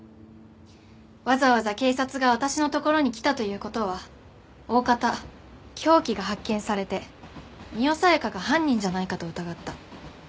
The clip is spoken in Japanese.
わざわざ警察が私のところに来たという事はおおかた凶器が発見されて深世小夜香が犯人じゃないかと疑った。